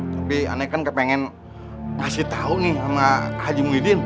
tapi aneh kan kepengen ngasih tau nih sama haji muhyiddin